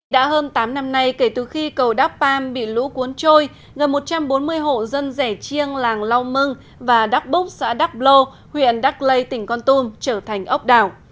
đã hơn tám năm nay kể từ khi cầu đắp pam bị lũ cuốn trôi gần một trăm bốn mươi hộ dân rẻ chiêng làng long mưng và đắp búc xã đắp lô huyện đắp lây tỉnh con tôm trở thành ốc đảo